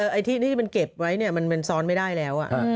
ไอ้ที่ที่มันเก็บไว้เนี่ยมันซ้อนไม่ได้แล้ว